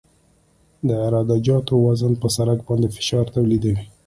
د عراده جاتو وزن په سرک باندې فشار تولیدوي